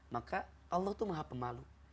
maka allah itu maha pemalu